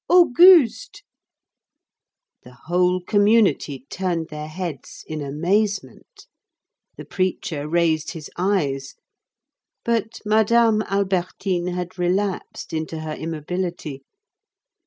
Auguste!" The whole community turned their heads in amazement, the preacher raised his eyes, but Madame Albertine had relapsed into her immobility.